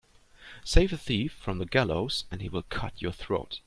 Save a thief from the gallows and he will cut your throat.